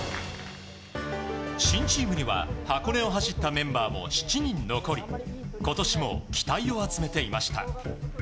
新チームには箱根を走ったメンバーも７人残り今年も期待を集めていました。